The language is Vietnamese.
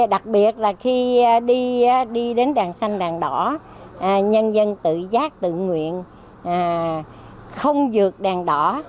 đặc biệt là khi đi đến đàn xanh đàn đỏ nhân dân tự giác tự nguyện không dược đàn đỏ